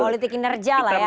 politik inerja lah ya